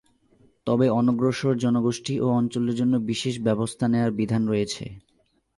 তবে অনগ্রসর জনগোষ্ঠী ও অঞ্চলের জন্য বিশেষ ব্যবস্থা নেওয়ার বিধান রয়েছে।